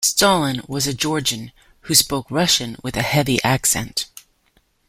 Stalin was a Georgian who spoke Russian with a heavy accent.